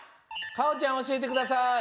かおちゃんおしえてください。